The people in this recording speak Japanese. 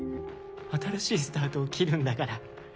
新しいスタートを切るんだから。